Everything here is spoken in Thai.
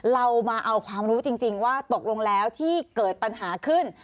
เรามาเอาความรู้จริงว่าตกลงแล้วที่เกิดปัญหาขึ้น